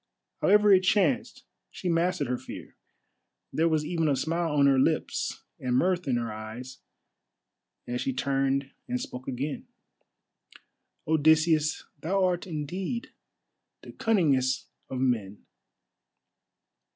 However it chanced, she mastered her fear; there was even a smile on her lips and mirth in her eyes as she turned and spoke again. "Odysseus, thou art indeed the cunningest of men.